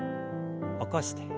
起こして。